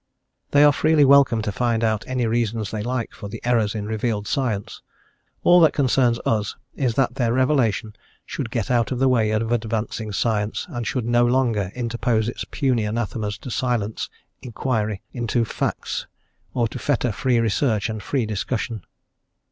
They are freely welcome to find out any reasons they like for the errors in revealed science; all that concerns us is that their revelation should get out of the way of advancing science, and should no longer interpose its puny anathemas to silence inquiry into facts, or to fetter free research and free discussion.